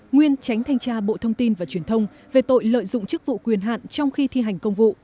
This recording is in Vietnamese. nguyên tránh thanh tra bộ thông tin và truyền thông về tội lợi dụng chức vụ quyền hạn trong khi thi hành công vụ